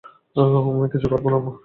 আমি কিছুই করবো না, মা।